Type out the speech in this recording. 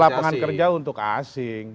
lapangan kerja untuk asing